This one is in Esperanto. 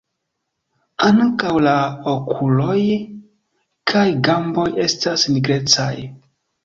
Ankaŭ la okuloj kaj gamboj estas nigrecaj.